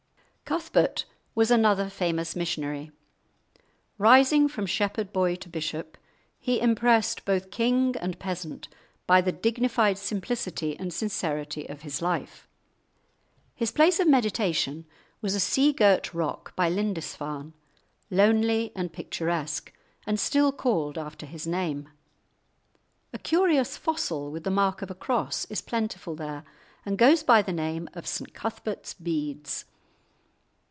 Cuthbert was another famous missionary. Rising from shepherd boy to bishop, he impressed both king and peasant by the dignified simplicity and sincerity of his life. His place of meditation was a sea girt rock by Lindisfarne, lonely and picturesque, and still called after his name. A curious fossil, with the mark of a cross, is plentiful there, and goes by the name of St Cuthbert's beads.